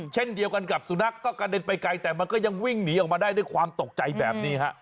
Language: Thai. เช่นเดียวกันกับสุนัขก็กระเด็นไปไกลแต่มันก็ยังวิ่งหนีออกมาได้ด้วยความตกใจแบบนี้ฮะ